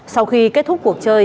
sau khi kết thúc cuộc chơi